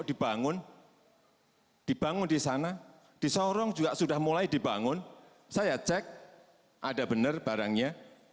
dibangun dibangun di sana di sorong juga sudah mulai dibangun saya cek ada benar barangnya